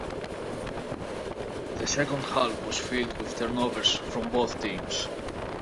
The second half was filled with turnovers from both teams.